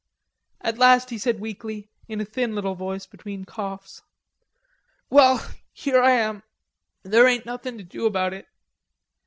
At last he said weakly, in a thin little voice between coughs: "Well, here I am. There ain't nothing to do about it."